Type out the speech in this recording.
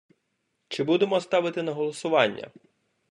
Чи будемо ставити на голосування?